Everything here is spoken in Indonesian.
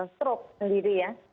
struk sendiri ya